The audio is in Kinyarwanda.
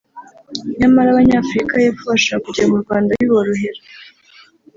nyamara abanyafurika y’Epfo bashaka kujya mu Rwanda biborohera